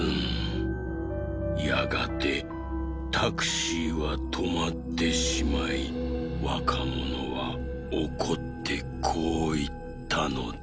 やがてタクシーはとまってしまいわかものはおこってこういったのです。